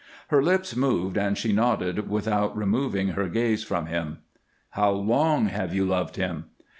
Her lips moved, and she nodded without removing her gaze from him. "How long have you loved him?"